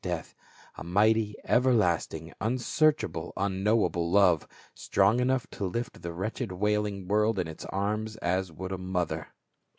death, a mighty, everlasting, unsearchable, unknow able love, strong enough to lift the wretched wailing world in its arms as would a mother.